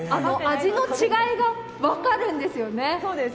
味の違いが分かるんですよね。